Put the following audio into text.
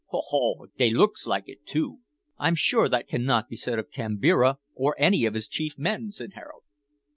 Ho! ho! dey looks like it too." "I'm sure that cannot be said of Kambira or any of his chief men," said Harold.